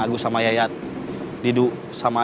agus sama yayat ada di depan saya